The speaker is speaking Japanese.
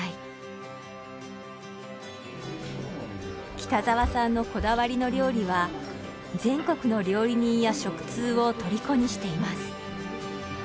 北沢さんのこだわりの料理は全国の料理人や食通をとりこにしています。